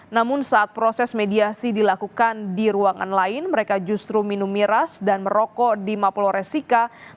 namun saat proses mediasi dilakukan di ruangan lain mereka justru minum miras dan merokok di mapol resika